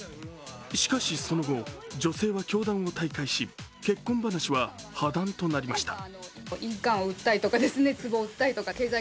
しかし、その後女性は教団を退会し結婚話は破談となりました。